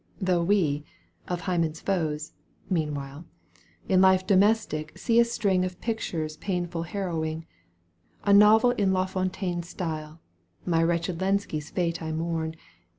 Though we, of Hymen foes, meanwhile, In life domestic see a string Of pictures painful harrowing, A novel in Lafontaine's style. My wretched Lenski's fate I mourn.